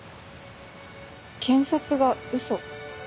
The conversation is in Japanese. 検察がうそ？